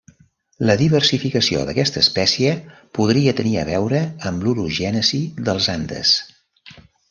La diversificació d'aquesta espècie podria tenir a veure amb l'orogènesi dels Andes.